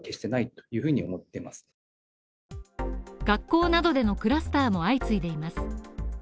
学校などでのクラスターも相次いでいます。